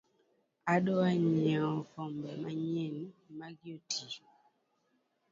Adwa nyieo kombe manyien magi otii.